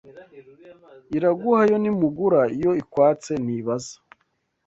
Iraguha yo ntimugura Iyo ikwatse ntibaza..!